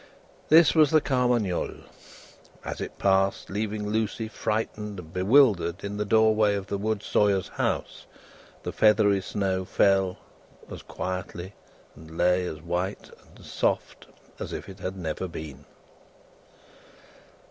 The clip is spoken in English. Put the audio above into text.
This was the Carmagnole. As it passed, leaving Lucie frightened and bewildered in the doorway of the wood sawyer's house, the feathery snow fell as quietly and lay as white and soft, as if it had never been.